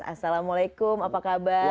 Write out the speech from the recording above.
assalamualaikum apa kabar